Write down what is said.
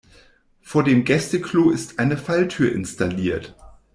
Vor dem Gäste-Klo ist eine Falltür installiert.